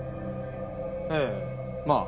ええまあ。